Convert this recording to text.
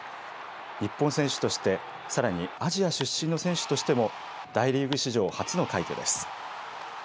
日本選手として、さらにアジア出身の選手としても大リーグ史上初の快挙です。